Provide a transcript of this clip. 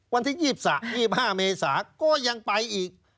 วันที่๒๓๒๕เมษาก็ยังไปอีก